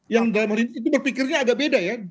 yang dalam hal ini itu berpikirnya agak beda ya